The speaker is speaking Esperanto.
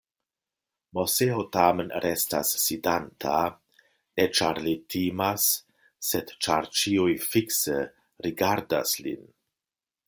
Moseo tamen restas sidanta, ne ĉar li timas, sed ĉar ĉiuj fikse rigardas lin.